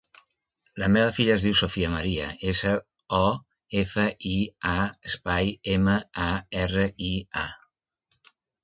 La meva filla es diu Sofia maria: essa, o, efa, i, a, espai, ema, a, erra, i, a.